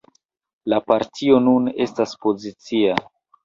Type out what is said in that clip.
La partio nun estas opozicia.